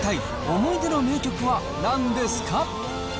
思い出の名曲はなんですか？